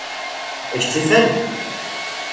Eşcinsel mi?